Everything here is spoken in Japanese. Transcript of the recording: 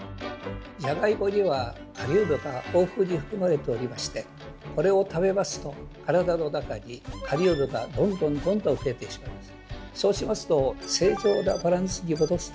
じゃがいもにはカリウムが豊富に含まれておりましてこれを食べますと体の中にカリウムがどんどんどんどん増えてしまいます。